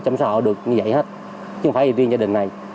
chúng tôi chăm sóc được như vậy hết chứ không phải riêng gia đình này